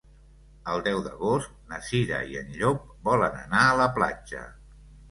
El deu d'agost na Cira i en Llop volen anar a la platja.